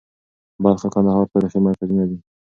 بلخ او کندهار تاریخي مرکزونه دي.